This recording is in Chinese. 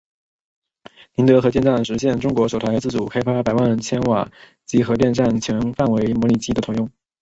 宁德核电站实现中国首台自主开发的百万千瓦级核电站全范围模拟机的投用。